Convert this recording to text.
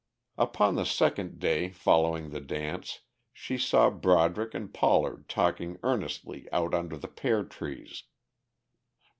Upon the second day following the dance she saw Broderick and Pollard talking earnestly out under the pear trees.